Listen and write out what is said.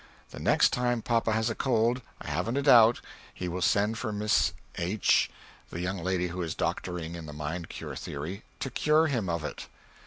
The next time papa has a cold, I haven't a doubt, he will send for Miss H the young lady who is doctoring in the "Mind Cure" theory, to cure him of it.